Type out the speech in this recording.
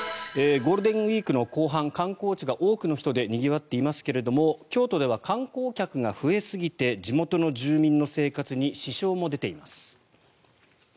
ゴールデンウィークの後半観光地が多くの人でにぎわっていますが京都では観光客が増えすぎて地元の住民の生活に支障も出ています。